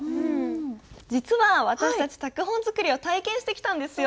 実は私たち拓本作りを体験してきたんですよ。